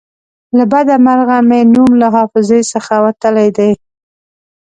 له بده مرغه مې نوم له حافظې څخه وتلی دی.